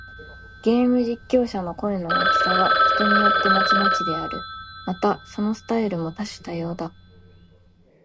ゲーム実況者の声の大きさは、人によってまちまちである。また、そのスタイルも多種多様だ。